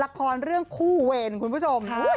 ละครเรื่องคู่เวรคุณผู้ชม